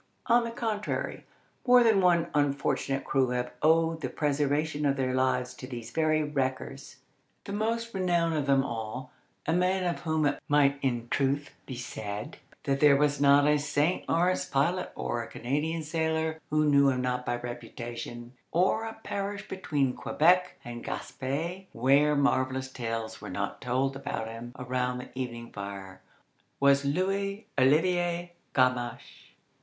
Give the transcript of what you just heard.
On the contrary, more than one unfortunate crew have owed the preservation of their lives to these very wreckers. The most renowned of them all—a man of whom it might in truth be said that there was not a St. Lawrence pilot or a Canadian sailor who knew him not by reputation, or a parish between Quebec and Gaspé where marvellous tales were not told about him around the evening fire—was Louis Olivier Gamache.